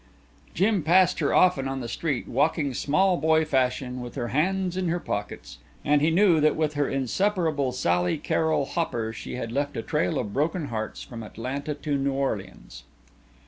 Jim passed her often on the street, walking small boy fashion with her hands in her pockets and he knew that with her inseparable Sally Carrol Hopper she had left a trail of broken hearts from Atlanta to New Orleans.